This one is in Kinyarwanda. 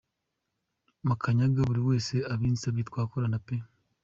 Makanyaga: Buri wese abinsabye twakorana pe.